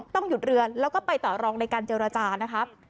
ต้องหยุดเรือนแล้วก็ไปต่อรองในการเจรจานะครับ